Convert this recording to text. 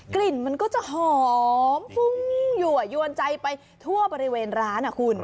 กลิ่นมันก็จะหอมฟุ้งอยู่อย่วนใจไปทั่วบริเวณร้าน